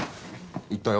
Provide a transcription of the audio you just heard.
言ったよ。